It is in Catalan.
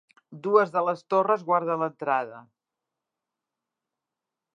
Dues de les torres guarden l'entrada.